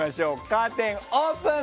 カーテンオープン。